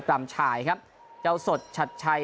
กรรมชายครับเจ้าสดชัดชัย